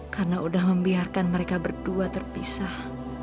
karena udah membiarkan mereka berdua terpisah